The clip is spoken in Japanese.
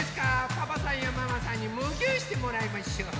パパさんやママさんにムギューしてもらいましょう。